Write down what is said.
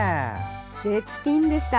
絶品でした！